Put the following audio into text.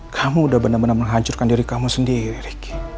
kamu sudah benar benar menghancurkan diri kamu sendiri